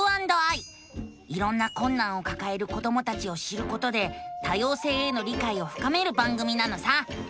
いろんなこんなんをかかえる子どもたちを知ることで多様性への理解をふかめる番組なのさ！